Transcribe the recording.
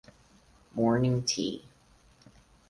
Morning tea.